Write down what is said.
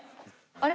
あれ？